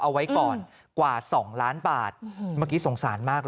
เอาไว้ก่อนกว่า๒ล้านบาทเมื่อกี้สงสารมากเลย